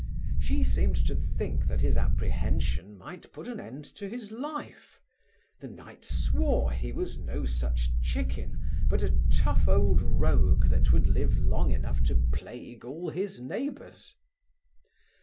She seemed to think that his apprehension might put an end to his life: the knight swore he was no such chicken, but a tough old rogue, that would live long enough to plague all his neighbours.